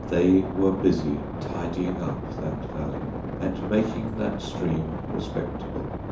They were busy tidying up that valley, and making that stream respectable.